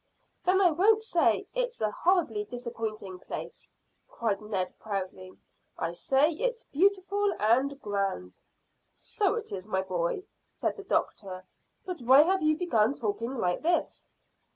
"Then I won't say it's a horribly disappointing place," cried Ned, proudly. "I say it's beautiful and grand." "So it is, my boy," said the doctor; "but why have you begun talking like this?"